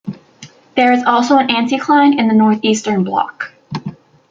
There is also an anticline in the northeastern block.